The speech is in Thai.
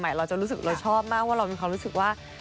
เราจะรู้สึกเราชอบมากว่าเรามีความรู้สึกว่า